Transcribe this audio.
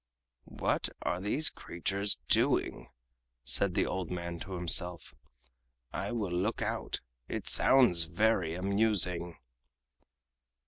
"What are these creatures doing?" said the old man to himself. "I will look out, it sounds very amusing."